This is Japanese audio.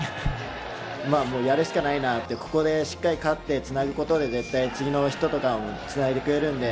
やるしかないなってここでしっかり勝ってつなぐことで絶対、次の人もつないでくれるので。